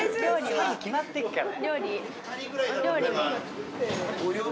数決まってっから。